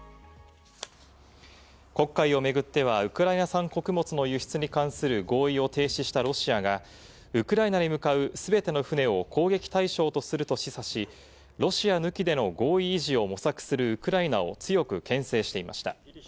黒海を巡ってはウクライナ産穀物の輸出に関する合意を停止したロシアがウクライナに向かう全ての船を攻撃対象とすると示唆し、ロシア抜きでの合意維持を模索するウクライナを強くけん制していました。